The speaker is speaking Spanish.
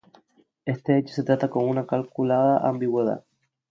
Este hecho se trata con una calculada ambigüedad.